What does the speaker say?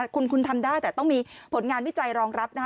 คุณทำได้แต่ต้องมีผลงานวิจัยรองรับ